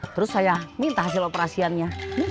terus saya minta hasil operasiannya